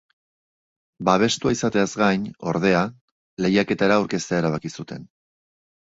Babestua izateaz gain, ordea, lehiaketara aurkeztea erabaki zuten.